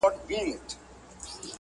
د خپل يوه باوري دوست